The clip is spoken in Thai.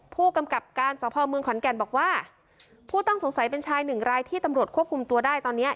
ผู้กำกับการสพเมืองขอนแก่นบอกว่าผู้ต้องสงสัยเป็นชายหนึ่งรายที่ตำรวจควบคุมตัวได้ตอนเนี้ย